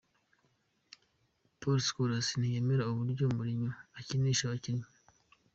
Paul Scholes ntiyemera uburyo Mourinho akinisha abakinnyi.